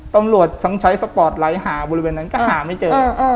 ตำรวจต้องใช้สปอร์ตไลท์หาบริเวณนั้นก็หาไม่เจอ